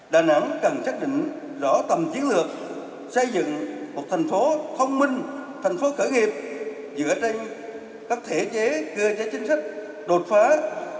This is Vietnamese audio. đà nẵng cần chắc định rõ tầm chiến lược xây dựng một thành phố thông minh thành phố khởi nghiệp dựa trên các thể chế cơ chế chính sách đột phá các cao hạ tầng đồng bộ